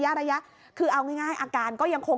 พอหลังจากเกิดเหตุแล้วเจ้าหน้าที่ต้องไปพยายามเกลี้ยกล่อม